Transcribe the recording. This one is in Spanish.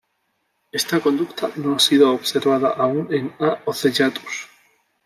Esta conducta no ha sido observada aún en "A. ocellatus".